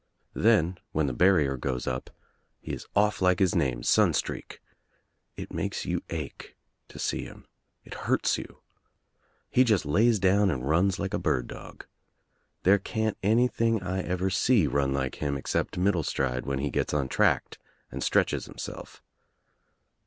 Then when the barrier goes up he is off like his name, Sunstreak. It makes you ache to see him. It hurts you. He just lays down and runs like a bird dog. There can't any thing I ever see run like him except Middlestride when he gets untracked and stretches himself.